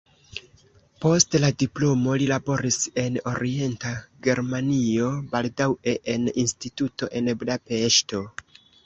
Post la diplomo li laboris en Orienta Germanio, baldaŭe en instituto en Budapeŝto.